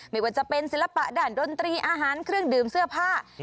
ไม่ว่าจะเป็นศิลปะด้านดนตรีอาหารเครื่องดื่มเสื้อผ้า